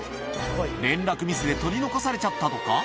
連絡ミスで取り残されちゃったとか？